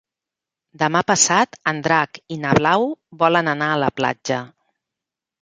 Demà passat en Drac i na Blau volen anar a la platja.